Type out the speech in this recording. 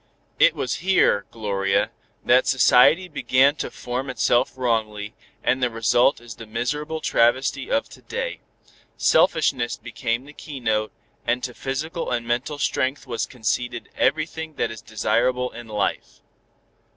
It was here, Gloria, that society began to form itself wrongly, and the result is the miserable travesty of to day. Selfishness became the keynote, and to physical and mental strength was conceded everything that is desirable in life.